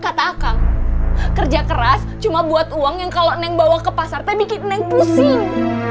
kata akang kerja keras cuma buat uang yang kalau eneng bawa ke pasar teh bikin eneng pusing